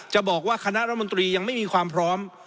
บอกว่าคณะรัฐมนตรียังไม่มีความพร้อม